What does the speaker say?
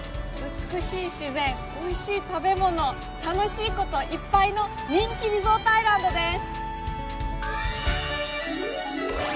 美しい自然、おいしい食べ物、楽しいこといっぱいの人気リゾートアイランドです。